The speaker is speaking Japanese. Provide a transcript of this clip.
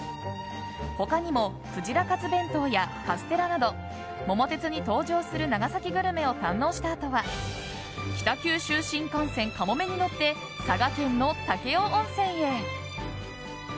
他にも鯨カツ弁当やカステラなど「桃鉄」に登場する長崎グルメを堪能したあとは北九州新幹線「かもめ」に乗って佐賀県の武雄温泉へ。